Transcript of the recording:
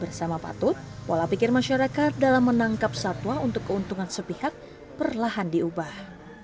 bersama patut pola pikir masyarakat dalam menangkap satwa untuk keuntungan sepihak perlahan diubah